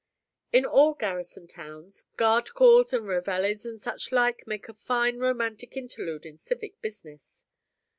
In all garrison towns, guard calls, and réveilles, and such like, make a fine romantic interlude in civic business.